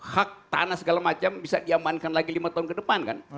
hak tanah segala macam bisa diamankan lagi lima tahun ke depan kan